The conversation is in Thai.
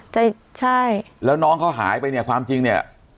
ใช่ใช่แล้วน้องเขาหายไปเนี่ยความจริงเนี่ย